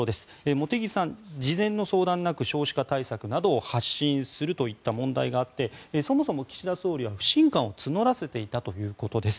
茂木さんは事前の相談なく少子化対策などを発信するといった問題があってそもそも岸田総理は不信感を募らせていたということです。